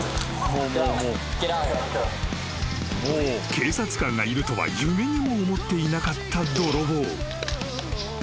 ［警察官がいるとは夢にも思っていなかった泥棒］